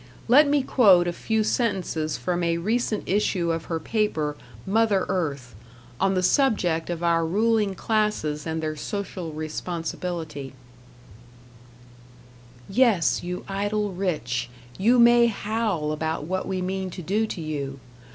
Let me quote a few sentences from a recent issue of her paper, "Mother Earth", on the subject of our ruling classes and their social responsibility: Yes, you idle rich, you may howl about what we mean to do to you!